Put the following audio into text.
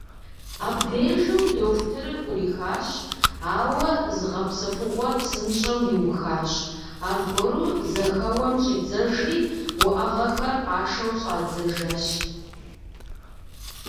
Абдежым дохутырыр Ӏурихащ, ауэ зыгъэпсэхугъуэр псынщӀэу иухащ, аргуэру зэхэуэм щӀидзэжри уӀэгъэхэр къашэу щӀадзэжащ.